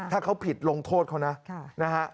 ถ้าเขาผิดลงโทษเขานะนะฮะ